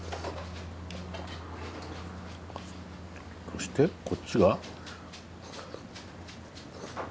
そしてこっちが。